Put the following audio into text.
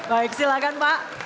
baik silakan pak